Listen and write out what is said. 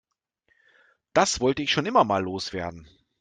Das wollte ich schon immer mal loswerden.